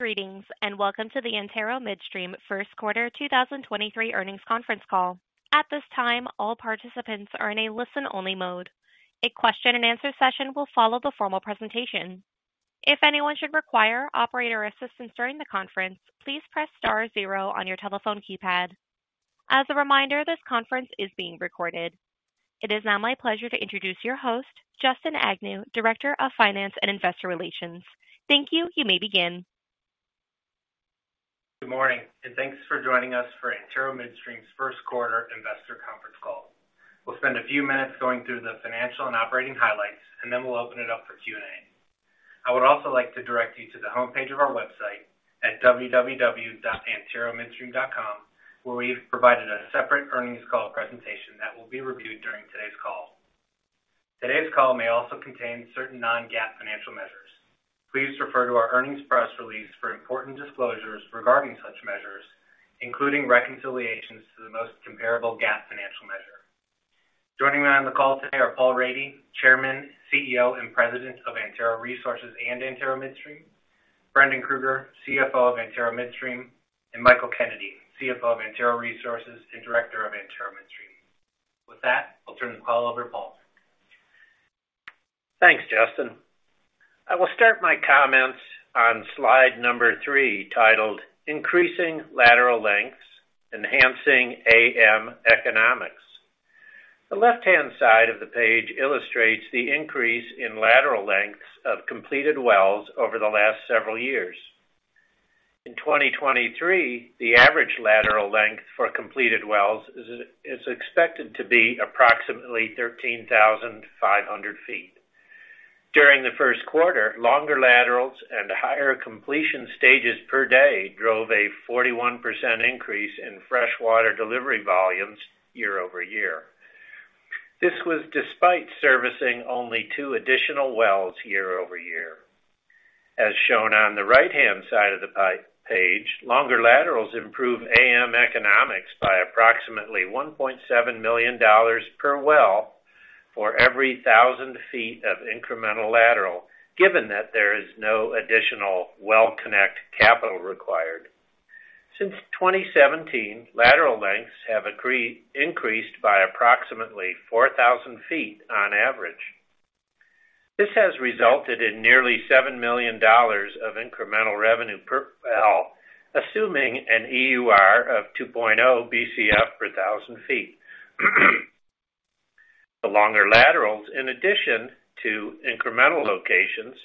Greetings, welcome to the Antero Midstream Q1 2023 Earnings Conference Call. At this time, all participants are in a listen-only mode. A question-and-answer session will follow the formal presentation. If anyone should require operator assistance during the conference, please press star zero on your telephone keypad. As a reminder, this conference is being recorded. It is now my pleasure to introduce your host, Justin Agnew, Director of Finance and Investor Relations. Thank you. You may begin. Good morning. Thanks for joining us for Antero Midstream's Q1 investor conference call. We'll spend a few minutes going through the financial and operating highlights, then we'll open it up for Q&A. I would also like to direct you to the homepage of our website at www.anteromidstream.com, where we've provided a separate earnings call presentation that will be reviewed during today's call. Today's call may also contain certain non-GAAP financial measures. Please refer to our earnings press release for important disclosures regarding such measures, including reconciliations to the most comparable GAAP financial measure. Joining me on the call today are Paul Rady, Chairman, CEO, and President of Antero Resources and Antero Midstream, Brendan Krueger, CFO of Antero Midstream, and Michael Kennedy, CFO of Antero Resources and Director of Antero Midstream. With that, I'll turn the call over to Paul. Thanks, Justin. I will start my comments on slide number three, titled Increasing Lateral Lengths, Enhancing AM Economics. The left-hand side of the page illustrates the increase in lateral lengths of completed wells over the last several years. In 2023, the average lateral length for completed wells is expected to be approximately 13,500 ft. During the Q1, longer laterals and higher completion stages per day drove a 41% increase in fresh water delivery volumes year-over-year. This was despite servicing only two additional wells year-over-year. As shown on the right-hand side of the page, longer laterals improve AM economics by approximately $1.7 million per well for every 1,000 ft of incremental lateral, given that there is no additional well connect capital required. Since 2017, lateral lengths have increased by approximately 4,000 ft on average. This has resulted in nearly $7 million of incremental revenue per well, assuming an EUR of 2.0 BCF per 1000 ft. The longer laterals, in addition to incremental locations,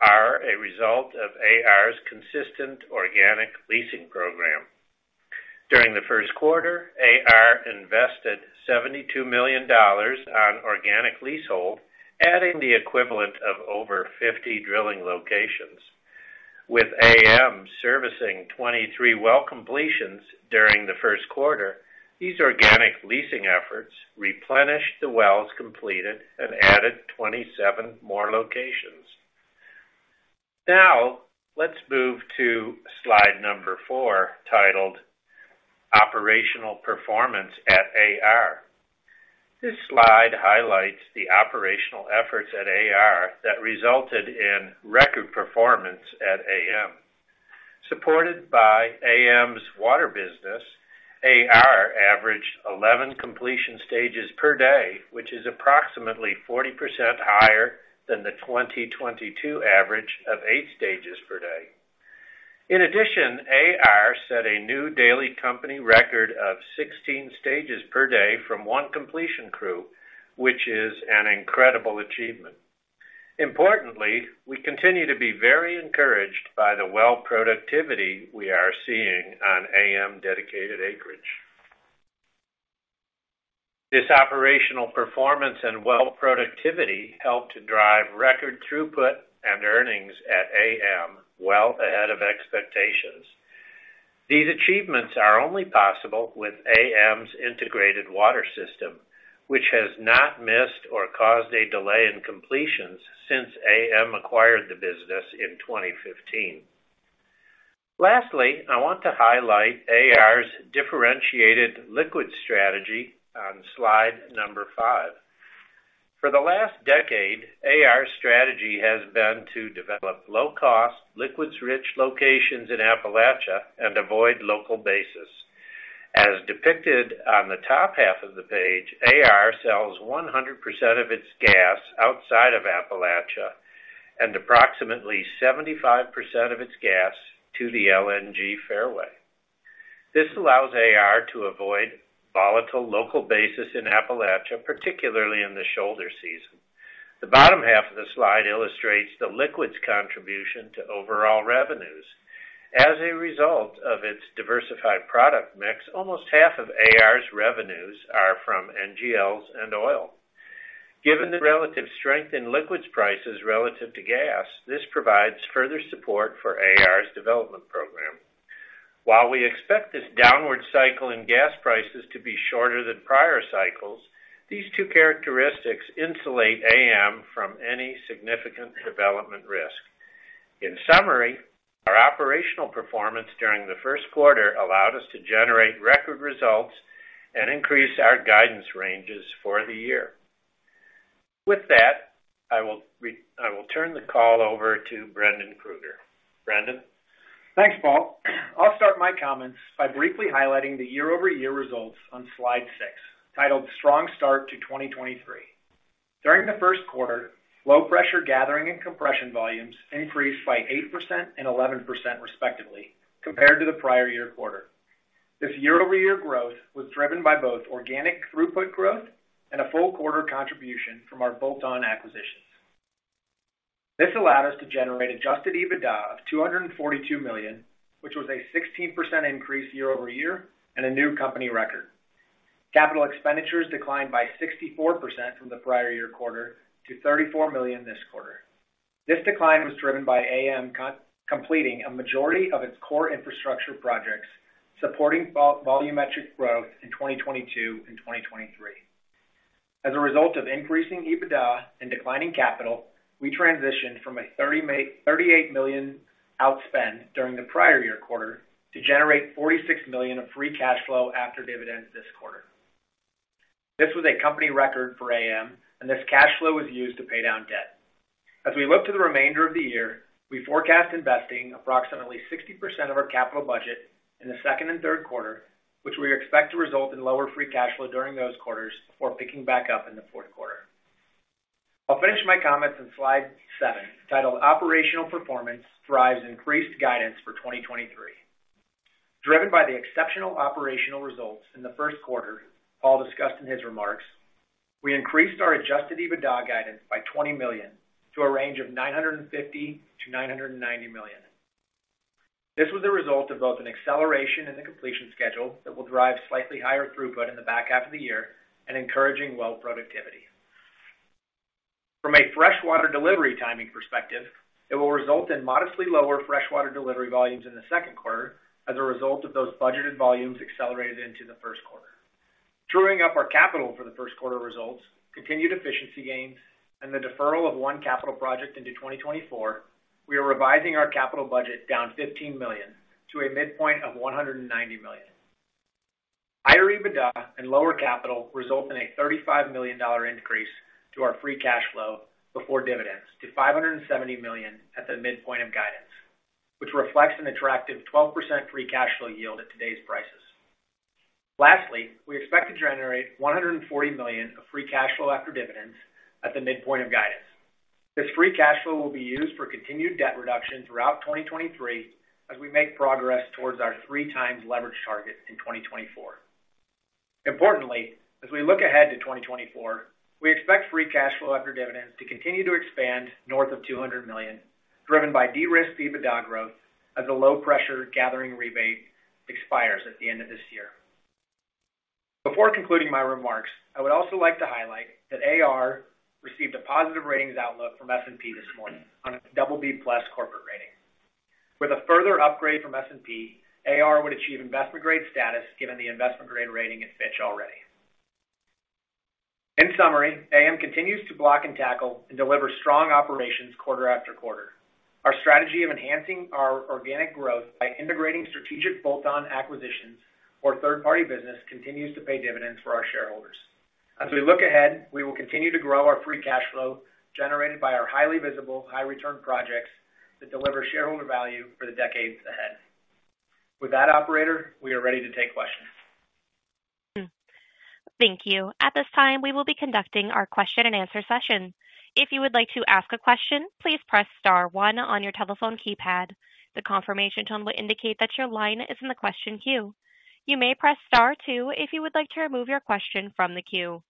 are a result of AR's consistent organic leasing program. During the Q1, AR invested $72 million on organic leasehold, adding the equivalent of over 50 drilling locations. With AM servicing 23 well completions during the Q1, these organic leasing efforts replenished the wells completed and added 27 more locations. Let's move to slide number four, titled Operational Performance at AR. This slide highlights the operational efforts at AR that resulted in record performance at AM. Supported by AM's water business, AR averaged 11 completion stages per day, which is approximately 40% higher than the 2022 average of eight stages per day. AR set a new daily company record of 16 stages per day from one completion crew, which is an incredible achievement. Importantly, we continue to be very encouraged by the well productivity we are seeing on AM dedicated acreage. This operational performance and well productivity helped drive record throughput and earnings at AM well ahead of expectations. These achievements are only possible with AM's integrated water system, which has not missed or caused a delay in completions since AM acquired the business in 2015. Lastly, I want to highlight AR's differentiated liquid strategy on slide number five. For the last decade, AR's strategy has been to develop low-cost, liquids-rich locations in Appalachia and avoid local basis. As depicted on the top half of the page, AR sells 100% of its gas outside of Appalachia and approximately 75% of its gas to the LNG fairway. This allows AR to avoid volatile local basis in Appalachia, particularly in the shoulder season. The bottom half of the slide illustrates the liquids contribution to overall revenues. As a result of its diversified product mix, almost half of AR's revenues are from NGLs and oil. Given the relative strength in liquids prices relative to gas, this provides further support for AR's development program. While we expect this downward cycle in gas prices to be shorter than prior cycles, these two characteristics insulate AM from any significant development risk. In summary, our operational performance during the Q1 allowed us to generate record results and increase our guidance ranges for the year. With that, I will turn the call over to Brendan Krueger. Brendan? Thanks, Paul. I'll start my comments by briefly highlighting the year-over-year results on slide six, titled Strong Start to 2023. During the Q1, low pressure gathering and compression volumes increased by 8% and 11% respectively compared to the prior year quarter. This year-over-year growth was driven by both organic throughput growth and a full quarter contribution from our bolt-on acquisitions. This allowed us to generate adjusted EBITDA of $242 million, which was a 16% increase year-over-year and a new company record. Capital expenditures declined by 64% from the prior year quarter to $34 million this quarter. This decline was driven by AM completing a majority of its core infrastructure projects, supporting volumetric growth in 2022 and 2023. As a result of increasing EBITDA and declining capital, we transitioned from a $38 million outspend during the prior year quarter to generate $46 million of Free Cash Flow after dividends this quarter. This was a company record for AM. This cash flow was used to pay down debt. As we look to the remainder of the year, we forecast investing approximately 60% of our capital budget in the second and Q3, which we expect to result in lower Free Cash Flow during those quarters before picking back up in the Q4. I'll finish my comments on slide seven, titled Operational Performance Drives Increased Guidance for 2023. Driven by the exceptional operational results in the Q1 Paul discussed in his remarks, we increased our adjusted EBITDA guidance by $20 million to a range of $950 million-$990 million. This was a result of both an acceleration in the completion schedule that will drive slightly higher throughput in the back half of the year and encouraging well productivity. From a freshwater delivery timing perspective, it will result in modestly lower freshwater delivery volumes in the Q2 as a result of those budgeted volumes accelerated into the Q1. Truing up our capital for the Q1 results, continued efficiency gains, and the deferral of one capital project into 2024, we are revising our capital budget down $15 million to a midpoint of $190 million. Higher EBITDA and lower capital result in a $35 million increase to our Free Cash Flow before dividends to $570 million at the midpoint of guidance, which reflects an attractive 12% Free Cash Flow yield at today's prices. Lastly, we expect to generate $140 million of Free Cash Flow after dividends at the midpoint of guidance. This Free Cash Flow will be used for continued debt reduction throughout 2023 as we make progress towards our 3x leverage target in 2024. Importantly, as we look ahead to 2024, we expect Free Cash Flow after dividends to continue to expand north of $200 million, driven by de-risk EBITDA growth as the low pressure gathering rebate expires at the end of this year. Before concluding my remarks, I would also like to highlight that AR received a positive ratings outlook from S&P this morning on a BB+ corporate rating. With a further upgrade from S&P, AR would achieve investment grade status given the investment grade rating at Fitch already. In summary, AM continues to block and tackle and deliver strong operations quarter after quarter. Our strategy of enhancing our organic growth by integrating strategic bolt-on acquisitions or third-party business continues to pay dividends for our shareholders. As we look ahead, we will continue to grow our Free Cash Flow generated by our highly visible high return projects that deliver shareholder value for the decades ahead. With that, operator, we are ready to take questions. Thank you. At this time, we will be conducting our question and answer session. If you would like to ask a question, please press star one on your telephone keypad. The confirmation tone will indicate that your line is in the question queue. You may press star two if you would like to remove your question from the queue.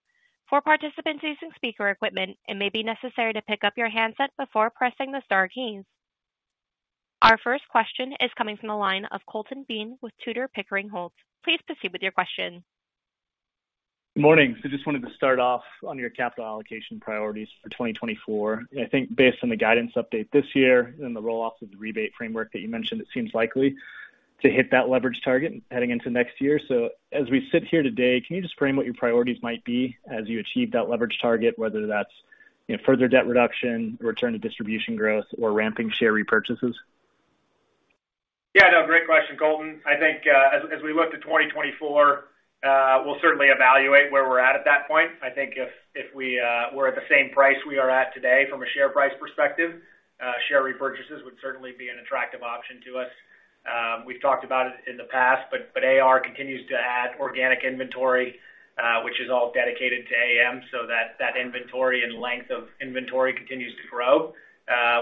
For participants using speaker equipment, it may be necessary to pick up your handset before pressing the star keys. Our first question is coming from the line of Colton Bean with Tudor, Pickering, Holt. Please proceed with your question. Good morning. Just wanted to start off on your capital allocation priorities for 2024. I think based on the guidance update this year and the roll-off of the rebate framework that you mentioned, it seems likely to hit that leverage target heading into next year. As we sit here today, can you just frame what your priorities might be as you achieve that leverage target, whether that's, you know, further debt reduction, return to distribution growth, or ramping share repurchases? No, great question, Colton. I think as we look to 2024, we'll certainly evaluate where we're at at that point. I think if we're at the same price we are at today from a share price perspective, share repurchases would certainly be an attractive option to us. We've talked about it in the past, but AR continues to add organic inventory, which is all dedicated to AM so that inventory and length of inventory continues to grow,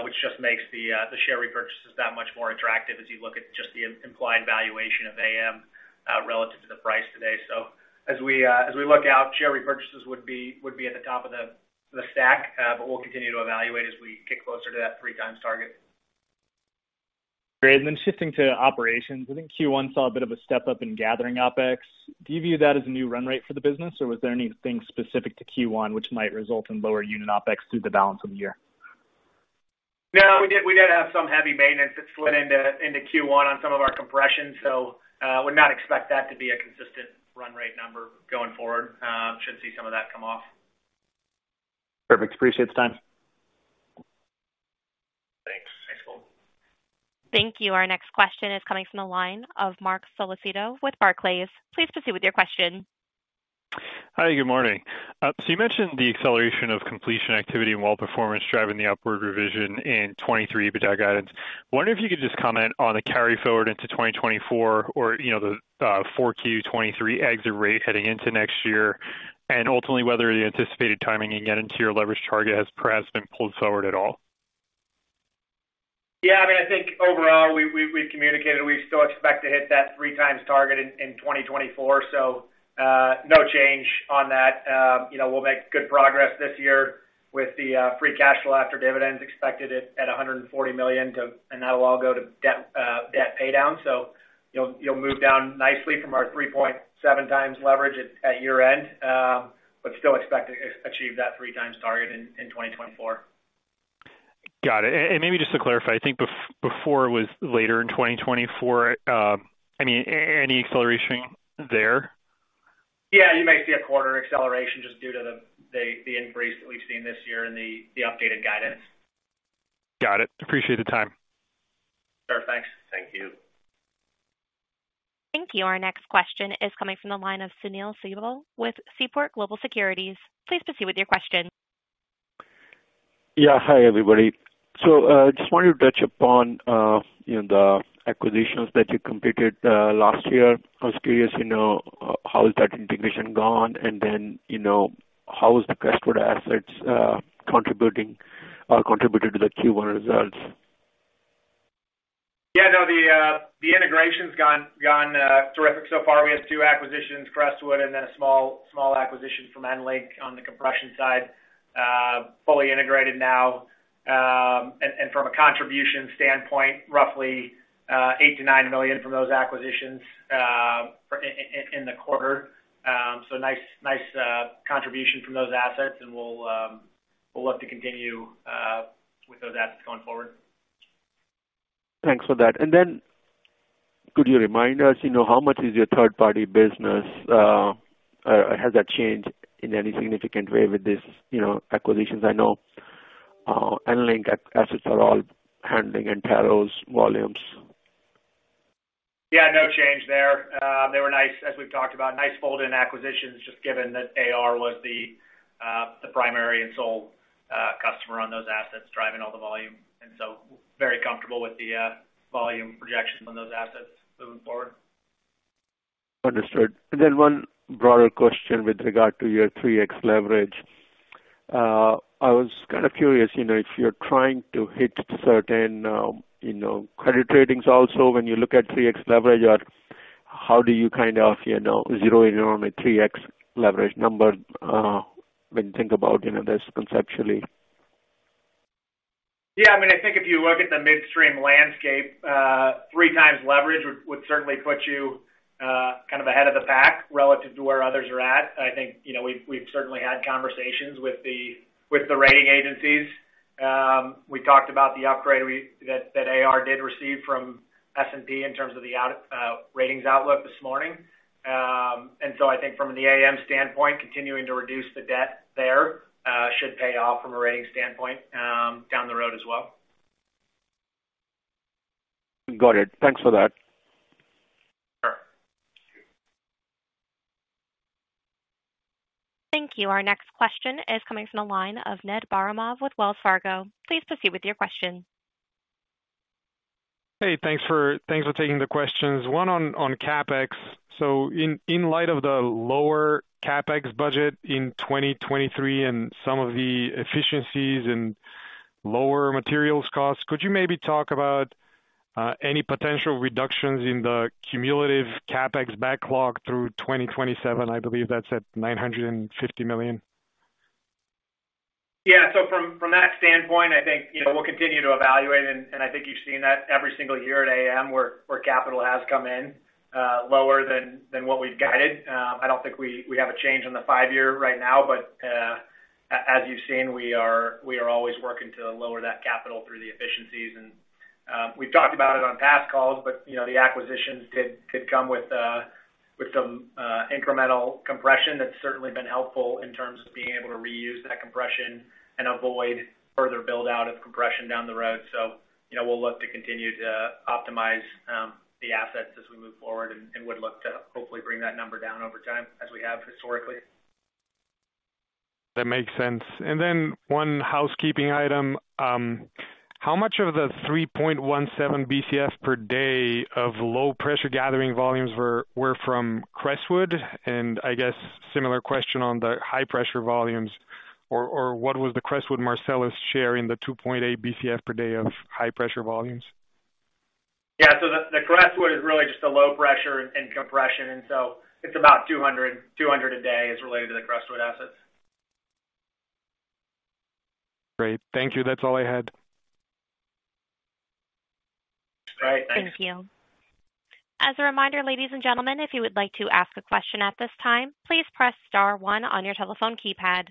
which just makes the share repurchases that much more attractive as you look at just the implied valuation of AM relative to the price today. As we look out, share repurchases would be at the top of the stack, but we'll continue to evaluate as we get closer to that 3x target. Great. Shifting to operations. I think Q1 saw a bit of a step-up in gathering OpEx. Do you view that as a new run rate for the business, or was there anything specific to Q1 which might result in lower unit OpEx through the balance of the year? No, we did have some heavy maintenance that slid into Q1 on some of our compression. Would not expect that to be a consistent run rate number going forward. Should see some of that come off. Perfect. Appreciate the time. Thank you. Our next question is coming from the line of Marc Solecitto with Barclays. Please proceed with your question. Hi, good morning. You mentioned the acceleration of completion activity and well performance driving the upward revision in 2023 EBITDA guidance. Wondering if you could just comment on the carry forward into 2024 or, you know, the 4Q 2023 exit rate heading into next year, and ultimately whether the anticipated timing you get into your leverage target has perhaps been pulled forward at all. Yeah, I mean, I think overall we've communicated we still expect to hit that three times target in 2024. No change on that. You know, we'll make good progress this year with the Free Cash Flow after dividends expected at $140 million and that'll all go to debt pay down. You'll move down nicely from our 3.7x leverage at year-end, but still expect to achieve that three times target in 2024. Got it. Maybe just to clarify, I think before it was later in 2024, I mean, any acceleration there? Yeah, you might see a quarter acceleration just due to the increase that we've seen this year in the updated guidance. Got it. Appreciate the time. Sure. Thanks. Thank you. Thank you. Our next question is coming from the line of Sunil Sibal with Seaport Global Securities. Please proceed with your question. Yeah. Hi, everybody. Just wanted to touch upon, you know, the acquisitions that you completed last year. I was curious, you know, how is that integration gone? Then, you know, how is the Crestwood assets contributing or contributed to the Q1 results? Yeah, no, the integration's gone terrific so far. We have two acquisitions, Crestwood and then a small acquisition from EnLink on the compression side, fully integrated now. From a contribution standpoint, roughly, $8 million-$9 million from those acquisitions, in the quarter. Nice contribution from those assets, and we'll look to continue with those assets going forward. Thanks for that. Could you remind us, you know, how much is your third party business? Has that changed in any significant way with this, you know, acquisitions? I know, EnLink assets are all handling Antero's volumes. Yeah, no change there. They were nice, as we've talked about, nice fold in acquisitions just given that AR was the primary and sole customer on those assets driving all the volume. So very comfortable with the volume projections on those assets moving forward. Understood. One broader question with regard to your 3x leverage. I was kind of curious, you know, if you're trying to hit certain, you know, credit ratings also when you look at 3x leverage, or how do you kind of, you know, zero in on a 3x leverage number, when you think about, you know, this conceptually? Yeah, I mean, I think if you look at the midstream landscape, 3x leverage would certainly put you, kind of ahead of the pack relative to where others are at. I think, you know, we've certainly had conversations with the rating agencies. We talked about the upgrade that AR did receive from S&P in terms of the ratings outlook this morning. So I think from an AM standpoint, continuing to reduce the debt there, should pay off from a rating standpoint, down the road as well. Got it. Thanks for that. Sure. Thank you. Our next question is coming from the line of Ned Baramov with Wells Fargo. Please proceed with your question. Hey, thanks for taking the questions. One on CapEx. In light of the lower CapEx budget in 2023 and some of the efficiencies and lower materials costs, could you maybe talk about any potential reductions in the cumulative CapEx backlog through 2027? I believe that's at $950 million. Yeah. From that standpoint, I think, you know, we'll continue to evaluate, I think you've seen that every single year at AM where capital has come in lower than what we've guided. I don't think we have a change on the five-year right now, but as you've seen, we are always working to lower that capital through the efficiencies. We've talked about it on past calls, but you know, the acquisitions did come with some incremental compression. That's certainly been helpful in terms of being able to reuse that compression and avoid further build out of compression down the road. You know, we'll look to continue to optimize the assets as we move forward and would look to hopefully bring that number down over time as we have historically. That makes sense. Then one housekeeping item. How much of the 3.17 BCF per day of low pressure gathering volumes were from Crestwood? I guess similar question on the high pressure volumes or what was the Crestwood Marcellus share in the 2.8 BCF per day of high pressure volumes? Yeah. The Crestwood is really just a low pressure and compression, it's about 200 a day is related to the Crestwood assets. Great. Thank you. That's all I had. All right. Thanks. Thank you. As a reminder, ladies and gentlemen, if you would like to ask a question at this time, please press star one on your telephone keypad.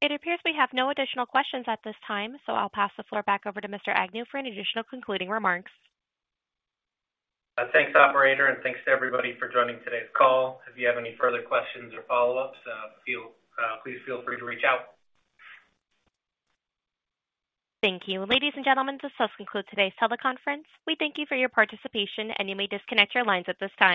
It appears we have no additional questions at this time, I'll pass the floor back over to Mr. Agnew for any additional concluding remarks. Thanks, operator, thanks to everybody for joining today's call. If you have any further questions or follow-ups, please feel free to reach out. Thank you. Ladies and gentlemen, this does conclude today's teleconference. We thank you for your participation, and you may disconnect your lines at this time.